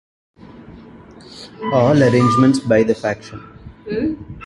All arrangements by the Faction.